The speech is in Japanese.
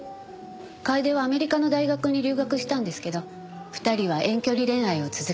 楓はアメリカの大学に留学したんですけど２人は遠距離恋愛を続けてたの。